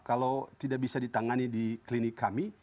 kalau tidak bisa ditangani di klinik kami